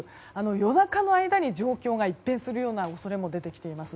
夜中の間に状況が一変するような恐れも出てきています。